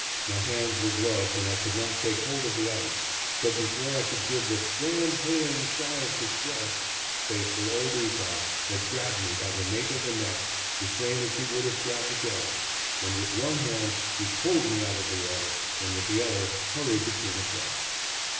My hands were gloved and I could not take hold of the ice, but before I could give the "Grand Hailing Sigh of Distress," faithful old Ootah had grabbed me by the nape of the neck, the same as he would have grabbed a dog, and with one hand he pulled me out of the water, and with the other hurried the team across.